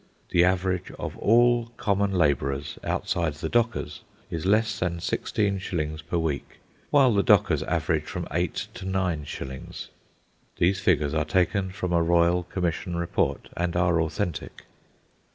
The average of all common labourers, outside the dockers, is less than sixteen shillings per week, while the dockers average from eight to nine shillings. These figures are taken from a royal commission report and are authentic.